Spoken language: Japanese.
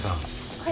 はい。